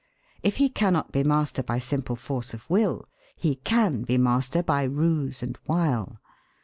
If he cannot be master by simple force of will, he can be master by ruse and wile.